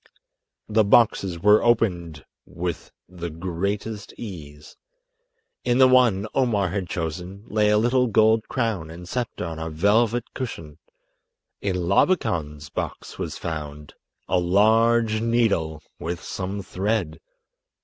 The boxes were opened with the greatest ease. In the one Omar had chosen lay a little gold crown and sceptre on a velvet cushion. In Labakan's box was found—a large needle with some thread!